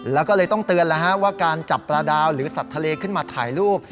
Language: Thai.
แล้วก็เลยต้องเตือนแล้วฮะว่าการจับปลาดาวหรือสัตว์ทะเลขึ้นมาถ่ายรูป